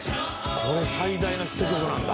これ最大のヒット曲なんだ？